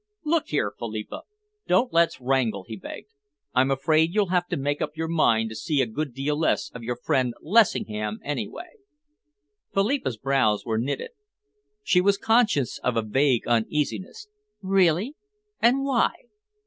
"Look here, Philippa, don't let's wrangle," he begged. "I'm afraid you'll have to make up your mind to see a good deal less of your friend Lessingham, anyway." Philippa's brows were knitted. She was conscious of a vague uneasiness. "Really? And why?"